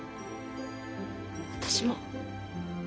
私も。